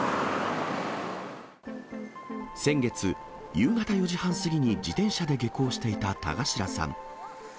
先月、夕方４時半過ぎに自転車で下校していた田頭さん。